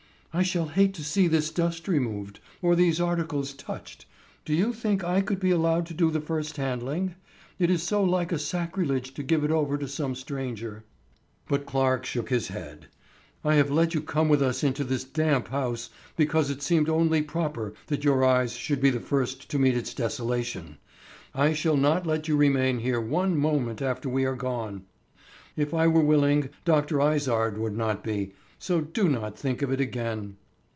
"I shall hate to see this dust removed, or these articles touched. Do you think I could be allowed to do the first handling? It is so like a sacrilege to give it over to some stranger." But Clarke shook his head. "I have let you come with us into this damp house because it seemed only proper that your eyes should be the first to meet its desolation. I shall not let you remain here one moment after we are gone. If I were willing, Dr. Izard would not be; so do not think of it again."